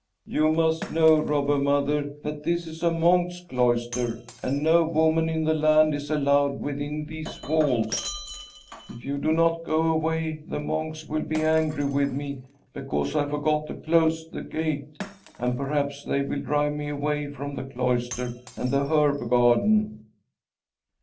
"You must know, Robber Mother, that this is a monks' cloister, and no woman in the land is allowed within these walls. If you do not go away, the monks will be angry with me because I forgot to close the gate, and perhaps they will drive me away from the cloister and the herb garden."